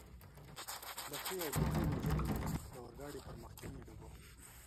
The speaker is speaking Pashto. لکۍ او بوکۍ موجودې وې، د اورګاډي پر مخکنیو ډبو.